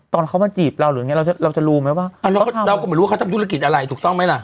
ตอนเขามาจีบเราหรืออย่างเงี้เราจะเราจะรู้ไหมว่าเราก็ไม่รู้ว่าเขาทำธุรกิจอะไรถูกต้องไหมล่ะ